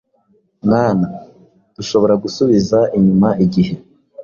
Mwana, dushobora gusubiza inyuma igihe